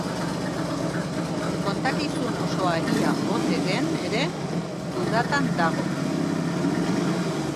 Kontakizun osoa egia ote den ere, dudatan dago.